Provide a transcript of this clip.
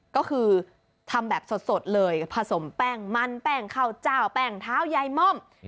ก็คือทำแบบสดเลยผสมแป้งมันแป้งข้าวเจ้าแป้งเท้ายายม่อม